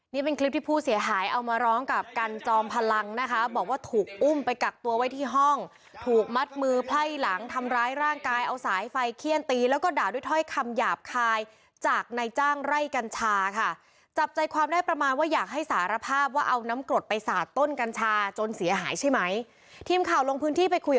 นี่เป็นคลิปที่ผู้เสียหายเอามาร้องกับกันจอมพลังนะคะบอกว่าถูกอุ้มไปกักตัวไว้ที่ห้องถูกมัดมือไพ่หลังทำร้ายร่างกายเอาสายไฟเขี้ยนตีแล้วก็ด่าด้วยถ้อยคำหยาบคายจากในจ้างไร่กัญชาค่ะจับใจความได้ประมาณว่าอยากให้สารภาพว่าเอาน้ำกรดไปสาดต้นกัญชาจนเสียหายใช่ไหมทีมข่าวลงพื้นที่ไปคุย